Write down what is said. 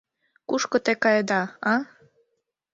— Кушко те каеда, а?